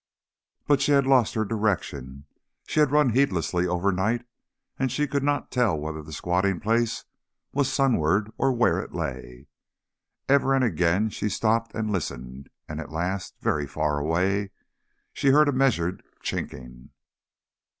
But she had lost her direction. She had run heedlessly overnight, and she could not tell whether the squatting place was sunward or where it lay. Ever and again she stopped and listened, and at last, very far away, she heard a measured chinking.